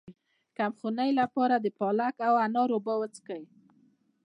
د کمخونۍ لپاره د پالک او انار اوبه وڅښئ